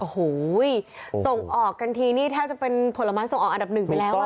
โอ้โหส่งออกกันทีนี่แทบจะเป็นผลไม้ส่งออกอันดับหนึ่งไปแล้วอ่ะ